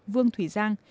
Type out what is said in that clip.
vương thủy giang